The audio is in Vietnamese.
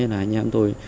là anh em tôi